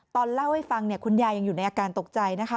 ตอนเล่าให้ฟังเนี่ยคุณยายยังอยู่ในอาการตกใจนะคะ